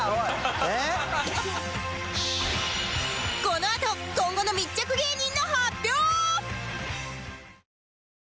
このあと今後の密着芸人の発表！